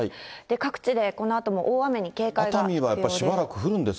各地でこのあとも大雨に警戒が必要です。